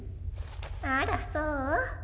あらそう？